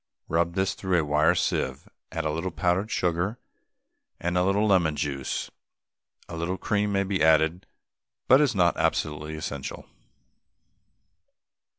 Rub this through a wire sieve, add a little powdered sugar and a little lemon juice; a little cream may be added, but is not absolutely essential.